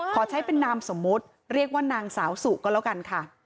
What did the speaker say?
ขอใช้เป็นนามสมมุติเรียกว่านางสาวสุก็แล้วกันค่ะ